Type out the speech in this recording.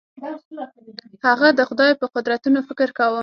هغه د خدای په قدرتونو فکر کاوه.